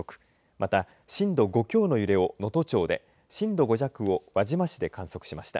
また震度５強の揺れを能登町で震度５弱を輪島市で観測しました。